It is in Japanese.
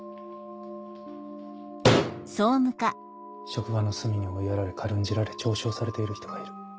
職場の隅に追いやられ軽んじられ嘲笑されている人がいる。